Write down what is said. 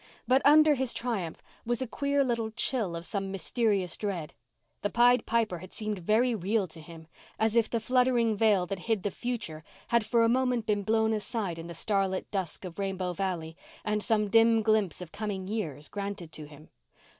But under his triumph was a queer little chill of some mysterious dread. The Pied Piper had seemed very real to him—as if the fluttering veil that hid the future had for a moment been blown aside in the starlit dusk of Rainbow Valley and some dim glimpse of coming years granted to him.